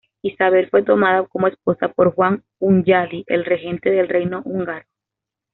Isabel fue tomada como esposa por Juan Hunyadi, el regente del reino húngaro.